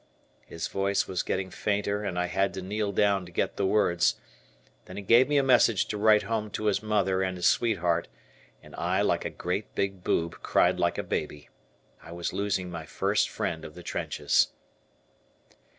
His voice was getting fainter and I had to kneel down to get the words. Then he gave me a message to write home to his mother and his sweetheart, and I, like a great big boob, cried like a baby. I was losing my first friend of the trenches.